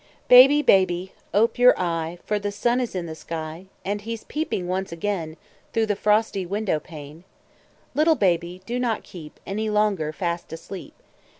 Baby, baby, Ope your eye, For the sun Is in the sky; And he's peeping once again, Through the frosty window pane. Little baby, do not keep Any longer fast asleep.